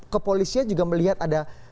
kepolisian juga melihat ada